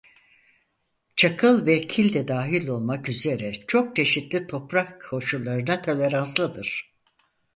Çakıl ve kil de dahil olmak üzere çok çeşitli toprak koşullarına toleranslıdır.